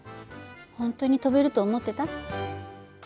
本当に飛べると思ってた？